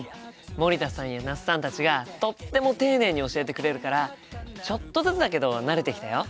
森田さんや那須さんたちがとっても丁寧に教えてくれるからちょっとずつだけど慣れてきたよ。